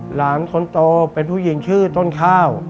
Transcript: หลานคนโตเป็นผู้หญิงชื่อต้นข้าว